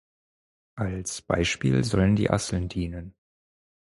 Als Beispiel sollen die Asseln dienen.